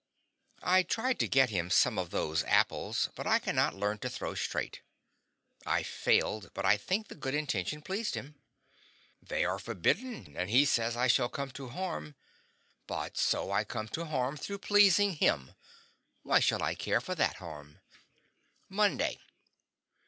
I tried to get him some of those apples, but I cannot learn to throw straight. I failed, but I think the good intention pleased him. They are forbidden, and he says I shall come to harm; but so I come to harm through pleasing him, why shall I care for that harm? MONDAY.